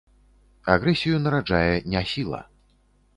Агрэсію нараджае не сіла.